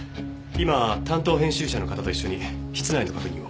今担当編集者の方と一緒に室内の確認を。